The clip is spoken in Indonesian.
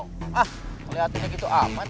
hah ngeliatinnya gitu amat